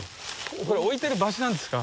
これ置いてる場所なんですか？